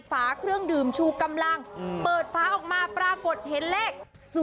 ฝาเครื่องดื่มชูกำลังเปิดฝาออกมาปรากฏเห็นเลข๐